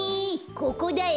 ここだよ